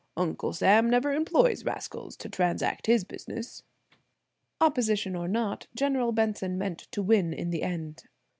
Uncle Sam never employs rascals to transact his business." Opposition or not, General Benson meant to win in the end.